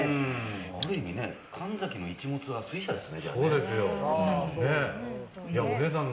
ある意味神崎のイチモツは水車ですね。